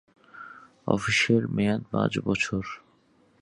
অফিসের মেয়াদ পাঁচ বছর।